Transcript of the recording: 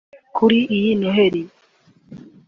Kuri iyi Noheli